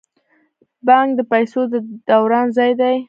بانک د پیسو د دوران ځای دی